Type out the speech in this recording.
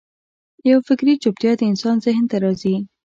یوه فکري چوپتیا د انسان ذهن ته راځي.